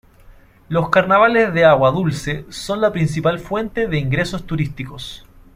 Los carnavales de Aguadulce son la principal fuente de ingresos turísticos.